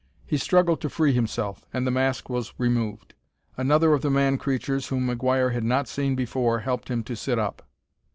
He struggled to free himself, and the mask was removed. Another of the man creatures whom McGuire had not seen before helped him to sit up.